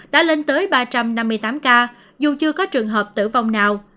đã lên tới ba trăm năm mươi tám ca dù chưa có trường hợp tử vong nào